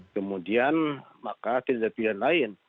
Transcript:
kemudian maka tindak pilihan lain